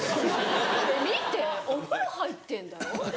えっ見てお風呂入ってんだよ